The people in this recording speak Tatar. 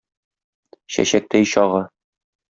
Чәчәктәй чагы.